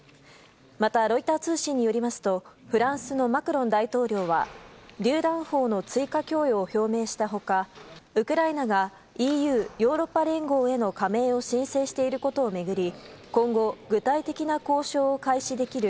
またロイター通信によりますとフランスのマクロン大統領はりゅう弾砲の追加供与を表明したほかウクライナがＥＵ・ヨーロッパ連合への加盟を申請していることを巡り